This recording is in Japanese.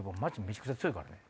めちゃくちゃ強いからね。